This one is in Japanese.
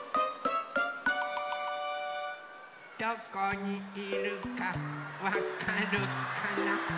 ・どこにいるかわかるかな？